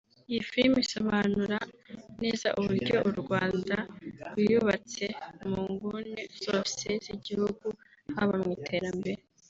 Iyi film isobanura neza uburyo u Rwanda rwiyubatse mu nguni zose z’igihugu haba mu iterambere